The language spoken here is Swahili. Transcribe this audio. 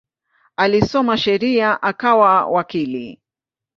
Alisoma sheria akawa wakili.